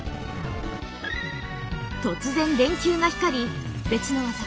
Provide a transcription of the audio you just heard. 突然電球が光り別の技